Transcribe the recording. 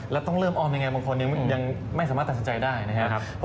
แล้วต้องเริ่มออมยังไงบางคนยังไม่สามารถตัดสินใจได้นะครับ